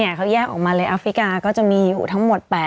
เขาแยกออกมาเลยอัฟริกาก็จะมีอยู่ทั้งหมด๘